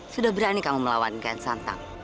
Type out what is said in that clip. sudah berani kamu melawan kiyasanta